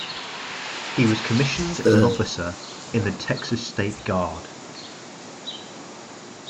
He was commissioned as an officer in the Texas State Guard.